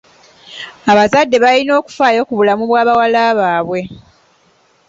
Abazadde balina okufaayo ku bulamu bwa bawala baabwe.